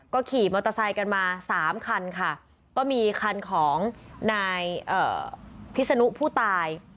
ก็ขี่มอเตอร์ไซค์กันมาสามคันค่ะก็มีคันของนายพิศนุผู้ตาย